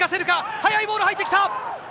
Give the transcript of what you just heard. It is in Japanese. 速いボール入ってきた。